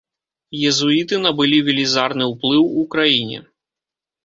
Езуіты набылі велізарны ўплыў у краіне.